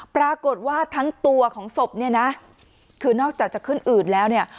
ปรากฏว่าทั้งตัวของศพเนี่ยนะคือนอกจากจะขึ้นอืดแล้วเนี่ย